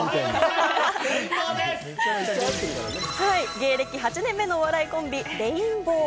芸歴８年目のお笑いコンビ、レインボー。